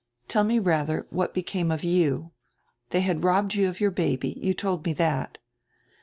"Tell me rather what became of you. They had robbed you of your baby. You told me that."